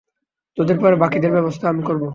তোদের পরে বাকিদের ব্যবস্থাও আমি করবো।